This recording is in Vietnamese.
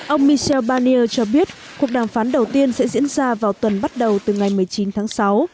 ông michel barnier cho biết cuộc đàm phán đầu tiên sẽ diễn ra vào tuần bắt đầu từ ngày một mươi chín tháng sáu